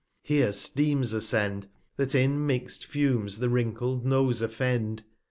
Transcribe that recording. Here Steams ascend That, in mix'd Fumes, the wrinkled Nose offend.